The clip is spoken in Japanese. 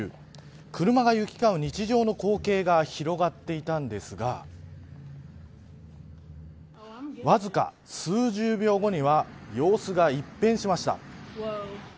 車が行き交う日常の光景が広がっていたのですがわずか数十秒後には様子が一変しました。